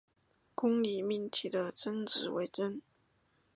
公理命题的真值为真。